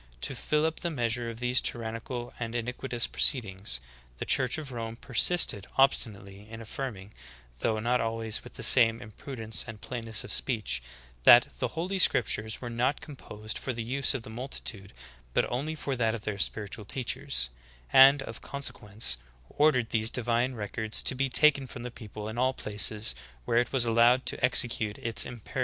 To fill up the measure of these tyrannical and iniquitious proceedings, the church of Rome persisted ob stinately in affirming, though not always with the same im prudence and plainness of speech, that the holy scriptures were not composed for the use of the multitude, but only for that of their spiritual teachers; and, of consequence, ordered these divine records to be taken from the people in all places where it was allowed to execute its imperious demands."